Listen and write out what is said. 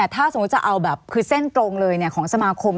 ถ้าสมมุติจะเอาแบบคือเส้นตรงเลยของสมาคม